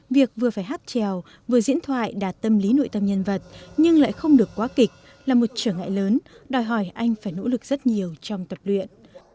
việc vừa phải hát trèo vừa diễn thoại đạt tâm lý nội tâm nhân vật nhưng lại không được quá kịch là một trở ngại lớn đòi hỏi anh phải nỗ lực rất nhiều trong tập luyện